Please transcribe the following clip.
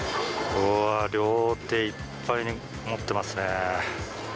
うわー、両手いっぱいに持ってますね。